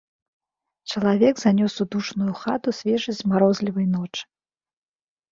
Чалавек занёс у душную хату свежасць марозлівай ночы.